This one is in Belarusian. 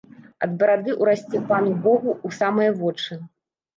Ад барады ўрасце пану богу ў самыя вочы.